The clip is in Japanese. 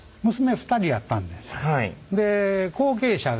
娘２人やったんです。